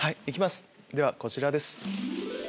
ではこちらです。